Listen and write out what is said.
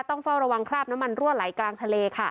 ต้องเฝ้าระวังคราบน้ำมันรั่วไหลกลางทะเลค่ะ